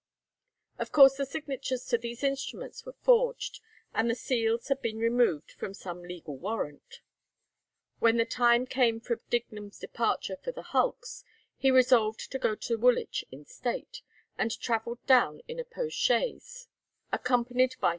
'" Of course the signatures to these instruments were forged, and the seals had been removed from some legal warrant. When the time came for Dignum's departure for the hulks, he resolved to go to Woolwich in state, and travelled down in a post chaise, accompanied by his negro servant.